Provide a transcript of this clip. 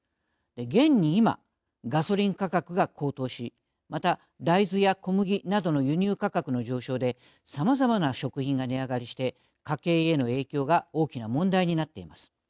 現に今、ガソリン価格が高騰しまた、大豆や小麦などの輸入価格の上昇でさまざまな食品が値上がりして家計への影響が大きな問題になっています。